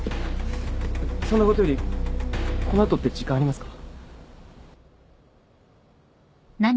そんなことよりこの後って時間ありますか？